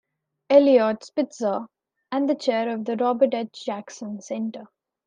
Eliot Spitzer, and chair of the Robert H. Jackson Center.